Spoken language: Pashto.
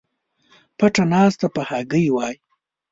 پټه ناسته په هګۍ وای